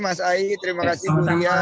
mas ai terima kasih bu ria